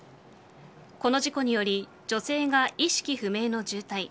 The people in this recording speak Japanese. この事故により女性が意識不明の重体